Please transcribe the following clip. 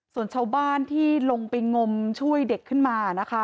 ส่วนชาวบ้านที่ลงไปงมช่วยเด็กขึ้นมานะคะ